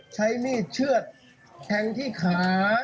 ใช้มีดเชื่อดแทงที่ขา